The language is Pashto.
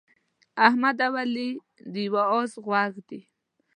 احمد او علي د یوه اس غوږ دي.